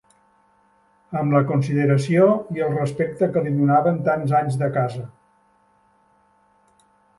Am la consideració i el respecte que li donaven tants anys de Casa